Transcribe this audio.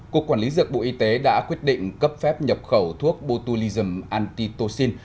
cục quản lý dược bộ y tế đã quyết định cấp phép nhập khẩu thuốc botulism antitocin